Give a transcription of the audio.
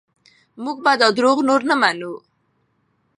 موږ به دا دروغ نور نه منو.